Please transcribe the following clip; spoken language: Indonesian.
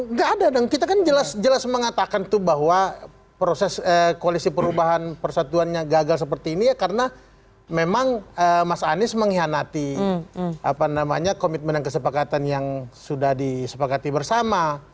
nggak ada dong kita kan jelas jelas mengatakan itu bahwa proses koalisi perubahan persatuannya gagal seperti ini ya karena memang mas anies mengkhianati komitmen dan kesepakatan yang sudah disepakati bersama